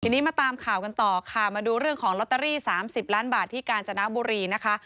ทีนี้มาตามข่าวกันต่อค่ะมาดูเรื่องของลอตเตอรี่๓๐ล้านบาทที่กาญจนบุรีนะคะ